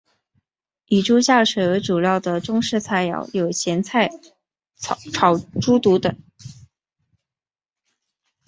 以猪下水为主料的中式菜肴有咸菜炒猪肚等。